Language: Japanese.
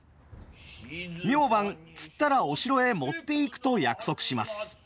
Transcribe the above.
明晩釣ったらお城へ持っていくと約束します。